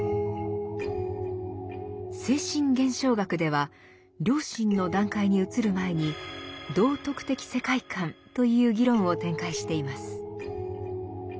「精神現象学」では良心の段階に移る前に「道徳的世界観」という議論を展開しています。